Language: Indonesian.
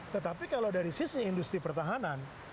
tetapi kalau dari sisi industri pertahanan